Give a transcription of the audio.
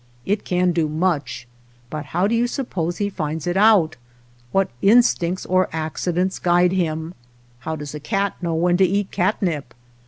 It can do much, but how do you suppose he finds it out ; what instincts or accidents guide him } How does a cat know when to eat catnip